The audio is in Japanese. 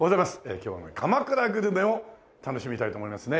今日は鎌倉グルメを楽しみたいと思いますね。